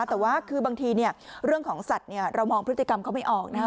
แต่ว่าคือบางทีเรื่องของสัตว์เรามองพฤติกรรมเขาไม่ออกนะฮะ